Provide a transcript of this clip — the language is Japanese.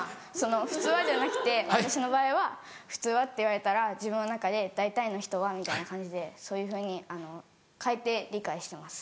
「普通は」じゃなくて私の場合は「普通は」って言われたら自分の中で「大体の人は」みたいな感じでそういうふうに変えて理解してます。